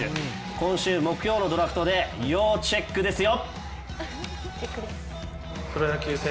今週木曜のドラフトで要チェックですよ。